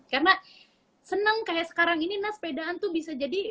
karena seneng kayak sekarang ini nah sepedaan tuh bisa jadi